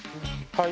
はい。